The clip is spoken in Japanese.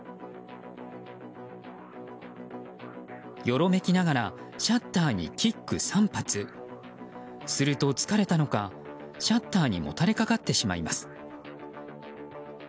よろめきながらシャッターにキック３発。すると疲れたのかシャッターにもたれかかってしまいます。